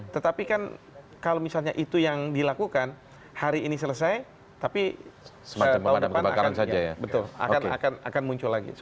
tetapi kan kalau misalnya itu yang dilakukan hari ini selesai tapi tahun depan akan muncul lagi